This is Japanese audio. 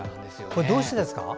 どうしてですか？